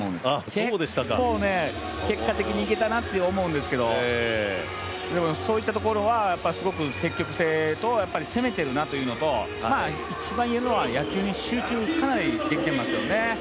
結構、結果的にいけたなって思うんですけどでもね、そういったところはすごく積極性と攻めてるなっていうのと一番いえるのは野球にかなり集中できていますね。